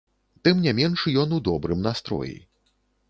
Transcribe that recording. Тым не менш, ён у добрым настроі.